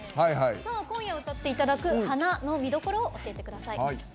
今夜、歌っていただく「ＨＡＮＡ花」の見どころを教えてください。